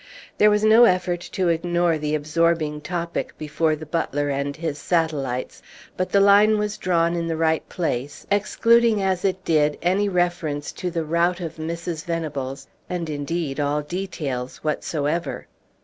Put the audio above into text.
There was no effort to ignore the absorbing topic before the butler and his satellites, but the line was drawn in the right place, excluding as it did any reference to the rout of Mrs. Venables, and indeed all details whatsoever.